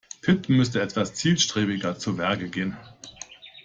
Pit müsste etwas zielstrebiger zu Werke gehen.